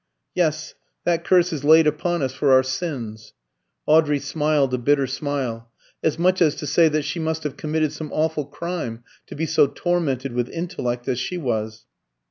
"Yes; that curse is laid upon us for our sins." Audrey smiled a bitter smile, as much as to say that she must have committed some awful crime to be so tormented with intellect as she was.